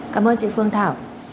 cảm ơn chị phương thảo